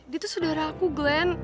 dia tuh saudara aku glenn